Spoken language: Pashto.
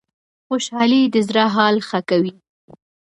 خوشحالي د زړه حال ښه کوي